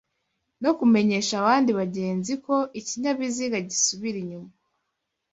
no kumenyesha abandi bagenzi ko ikinyabiziga gisubira inyuma